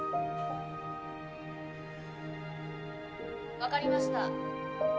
分かりました。